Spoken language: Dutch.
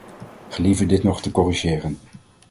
Gelieve dit nog te corrigeren.